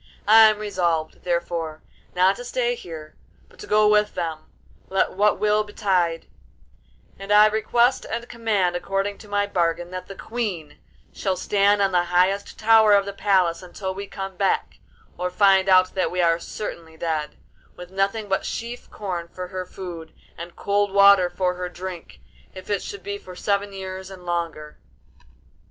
I am resolved, therefore, not to stay here, but to go with them, let what will betide; and I request and command, according to my bargain, that the Queen shall stand on the highest tower of the palace until we come back (or find out that we are certainly dead), with nothing but sheaf corn for her food and cold water for her drink, if it should be for seven years and longer.